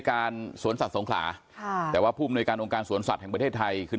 เขาว่าต้องเข้ามาแก้ไขให้ได้แบบให้มันเด็ดขาด